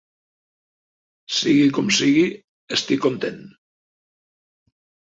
Sigui com sigui, estic content.